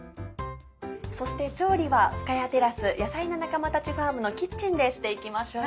そして調理は深谷テラスヤサイな仲間たちファームのキッチンでしていきましょう。